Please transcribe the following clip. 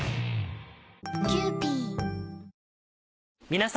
皆様。